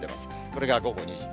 これが午後２時。